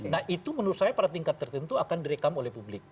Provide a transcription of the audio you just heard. nah itu menurut saya pada tingkat tertentu akan direkam oleh publik